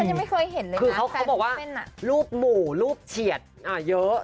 ฉันยังไม่เคยเห็นเลยนะแฟนเส้นอะคือเขาบอกว่ารูปหมู่รูปเฉียดเยอะ